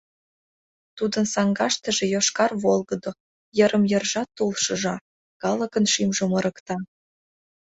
Тудын саҥгаштыже йошкар волгыдо, йырым-йыржат тул шыжа, калыкын шӱмжым ырыкта.